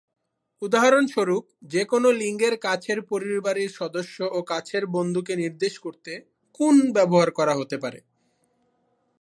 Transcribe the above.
উদাহরণস্বরূপ, যেকোন লিঙ্গের কাছের পরিবারের সদস্য ও কাছের বন্ধুকে নির্দেশ করতে "-কুন" ব্যবহার করা হতে পারে।